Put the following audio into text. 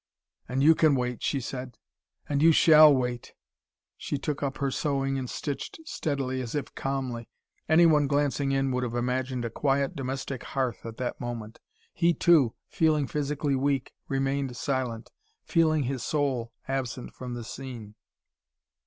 "And you can wait," she said. "And you shall wait." She took up her sewing, and stitched steadily, as if calmly. Anyone glancing in would have imagined a quiet domestic hearth at that moment. He, too, feeling physically weak, remained silent, feeling his soul absent from the scene.